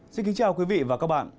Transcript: xin kính chào quý vị và các bạn